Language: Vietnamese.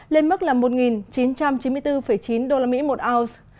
bốn mươi bốn lên mức một chín trăm chín mươi bốn chín usd một ounce